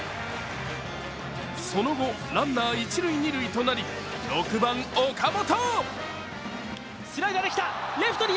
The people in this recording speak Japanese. その後、ランナーは一・二塁となり、６番・岡本。